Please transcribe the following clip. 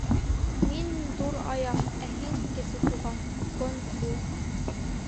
Мин — Ҙур Аяҡ, ә һин, Кесе Туған, гонд бул.